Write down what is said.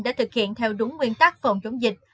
đã thực hiện theo đúng nguyên tắc phòng chống dịch